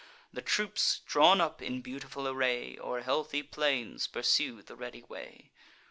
The troops, drawn up in beautiful array, O'er heathy plains pursue the ready way.